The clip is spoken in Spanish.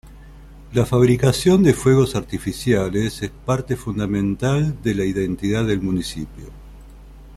La fabricación de fuegos artificiales es parte fundamental de la identidad del municipio.